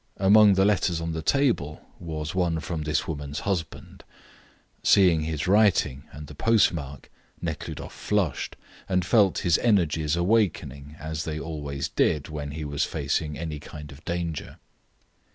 Among the letters on the table was one from this woman's husband. Seeing his writing and the postmark, Nekhludoff flushed, and felt his energies awakening, as they always did when he was facing any kind of danger.